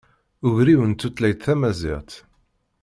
Ugriw n tutlayt tamaziɣt.